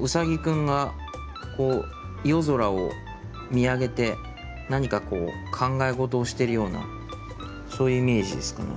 ウサギくんがこう夜空を見上げて何かこう考え事をしてるようなそういうイメージですかね。